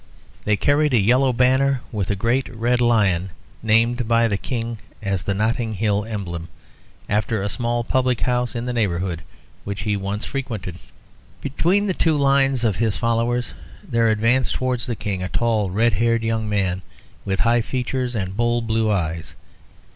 They carried a yellow banner with a great red lion, named by the King as the Notting Hill emblem, after a small public house in the neighbourhood, which he once frequented. Between the two lines of his followers there advanced towards the King a tall, red haired young man, with high features and bold blue eyes.